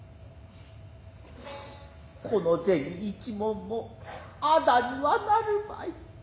この銭一文も仇にはなるまい。